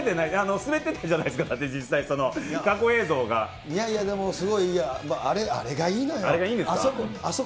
滑ってたじゃないですか、実際、いやいやでも、すごい、あれがいいんですか。